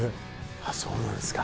あっそうなんですか。